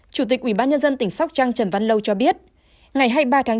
chủ tịch ubnd tỉnh sóc trăng trần văn lâu cho biết ngày hai mươi ba tháng chín